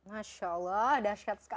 masya allah dahsyat sekali